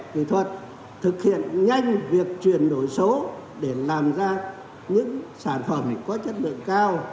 kỹ thuật thực hiện nhanh việc chuyển đổi số để làm ra những sản phẩm có chất lượng cao